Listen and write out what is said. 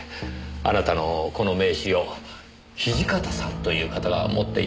あなたのこの名刺を土方さんという方が持っていたのですが。